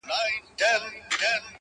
تا پر اوږده ږيره شراب په خرمستۍ توی کړل’